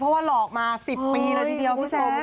เพราะหลอกมา๑๐ปีละทีเดียวพี่แชค